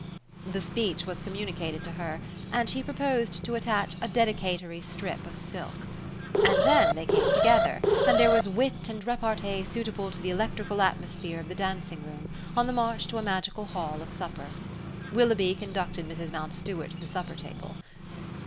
The speech was communicated to her, and she proposed to attach a dedicatory strip of silk. And then they came together, and there was wit and repartee suitable to the electrical atmosphere of the dancing room, on the march to a magical hall of supper. Willoughby conducted Mrs. Mountstuart to the supper table.